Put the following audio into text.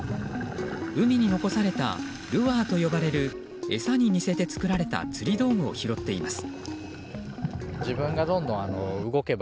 海に残されたルアーと呼ばれる餌に似せて作られた釣り道具を拾っています。